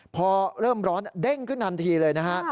พอเริ่มร้อนเด้งขึ้นทันทีเลยนะฮะ